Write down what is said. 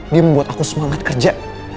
dia membuat aku semangat kerja